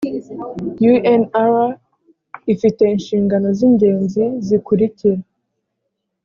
unr ifite inshingano z ingenzi zikurikira